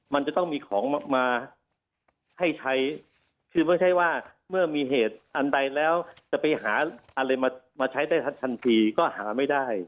มันจะต้องมีของมาให้ใช้คือไม่ใช่ว่าเมื่อมีเหตุอันใดแล้วจะไปหาอะไรมาใช้ได้ทันทีก็หาไม่ได้